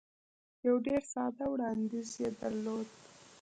یو ډېر ساده وړاندیز یې درلود.